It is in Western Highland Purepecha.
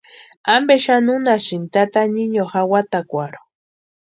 ¿Ampe xani unhasïni tata niño jawatakwarhu?